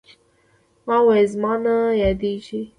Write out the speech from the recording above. ما وويل زما نه يادېږي.